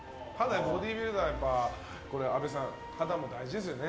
ボディービルダー阿部さん、肌も大事ですよね。